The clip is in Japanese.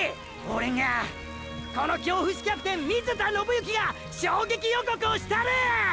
オレがーーこの京伏キャプテン水田信行が衝撃予告をしたる！！